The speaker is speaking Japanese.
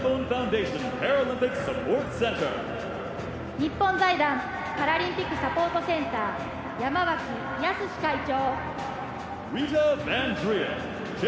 日本財団パラリンピックサポートセンター、山脇康会長。